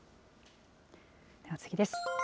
では次です。